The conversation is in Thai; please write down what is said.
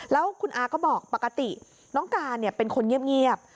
แล้วคุณอาก็บอกปกติน้องการเป็นคนเงียบ